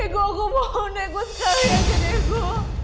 deku aku mau deku sekali aja deku